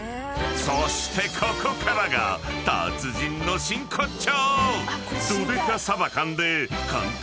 ［そしてここからが達人の真骨頂！］